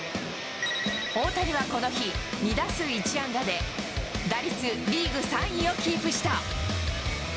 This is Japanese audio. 大谷はこの日、２打数１安打で打率リーグ３位をキープした。